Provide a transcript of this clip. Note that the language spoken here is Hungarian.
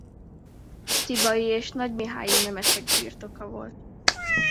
Tibai és nagymihályi nemesek birtoka volt.